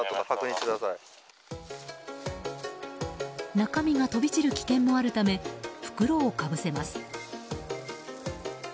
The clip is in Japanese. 中身が飛び散る危険もあるため袋をかぶせます。